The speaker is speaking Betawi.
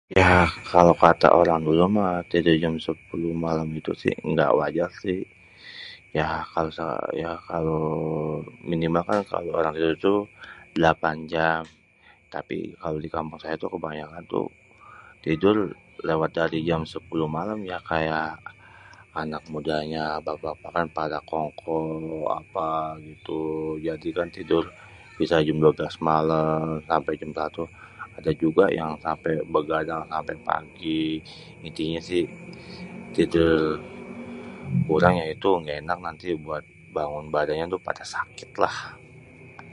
Yah, kalo kata orang dulu mah tidur jam sêpuluh malem itu sih ngga wajar sih. Ya kalo, ya minimal kan kalo orang tidur tuh dêlapan jam. Tapi kalo di kampung saya tuh kebanyakan tuh tidur lewat dari jam sêpuluh malêm, ya kayak anak mudanya dan bapak-bapak kan pada kongko mau apa gitu, jadi kan tidur bisa jam dua belas malem sampe jam satu. Ada juga yang bêgadang sampé pagi. Intinya sih tidur kurang itu ya éngga ènak nanti buat bangun badannya pada sakit lah.